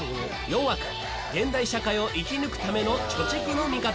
４枠現代社会を生き抜くための貯蓄の味方！